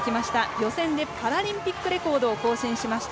予選でパラリンピックレコードを更新しました